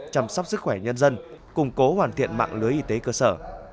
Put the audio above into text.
chăm sóc sức khỏe nhân dân củng cố hoàn thiện mạng lưới y tế cơ sở